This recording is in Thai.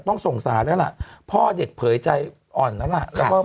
แต่เขาบอกว่า